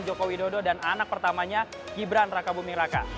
jokowi dodo dan anak pertamanya gibran raka bumi raka